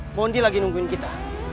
nah bondi lagi nungguin kita